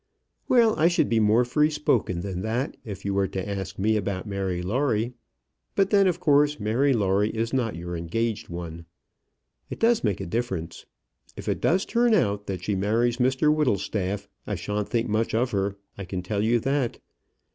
"Well; I should be more free spoken than that, if you were to ask me about Mary Lawrie. But then, of course, Mary Lawrie is not your engaged one. It does make a difference. If it does turn out that she marries Mr Whittlestaff, I shan't think much of her, I can tell you that.